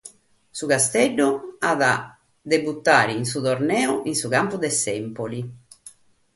Su Casteddu at a debutare in su torneu in su campu de s’Empoli.